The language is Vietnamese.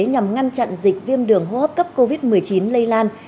nhằm ngăn chặn dịch viêm đường hô hấp cấp covid một mươi chín lây lan